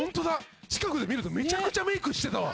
近くで見るとめちゃくちゃメイクしてたわ。